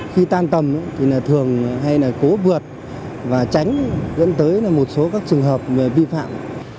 khi tan tầm thì thường hay là cố vượt và tránh dẫn tới một số các trường hợp vi phạm